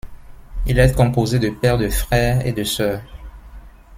Il est composé de paires de frères et de sœurs.